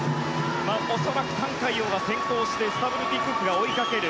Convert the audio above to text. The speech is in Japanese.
恐らくタン・カイヨウが先行してスタブルティ・クックが追いかける。